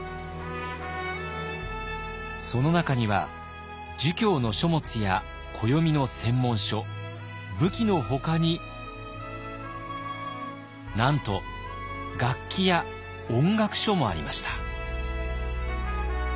その中には儒教の書物や暦の専門書武器のほかになんと楽器や音楽書もありました。